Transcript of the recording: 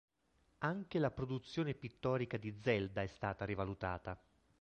Anche la produzione pittorica di Zelda è stata rivalutata.